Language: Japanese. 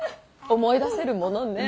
思い出せるものね。